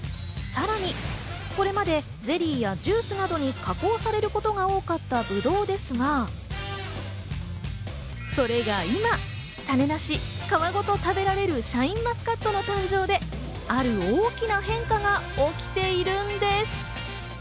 さらに、これまでゼリーやジュースなどに加工されることが多かったぶどうですが、それが今、種なし、皮ごと食べられるシャインマスカットの誕生で、ある大きな変化が起きているんです。